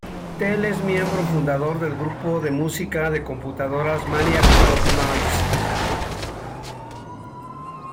Tel es miembro fundador del grupo de música de computadora Maniacs of Noise.